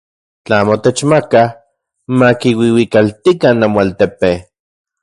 Tla amo techmakaj, makiuiuikaltikan namoaltepe.